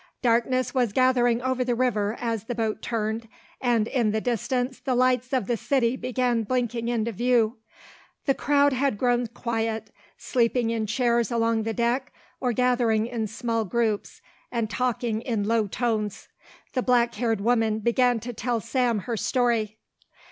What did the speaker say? Darkness was gathering over the river as the boat turned, and in the distance the lights of the city began blinking into view. The crowd had grown quiet, sleeping in chairs along the deck or gathering in small groups and talking in low tones. The black haired woman began to tell Sam her story.